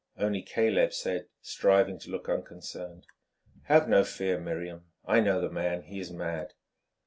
Only Caleb said, striving to look unconcerned: "Have no fear, Miriam. I know the man. He is mad."